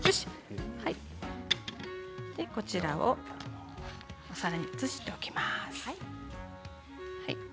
こちらをお皿に移しておきます。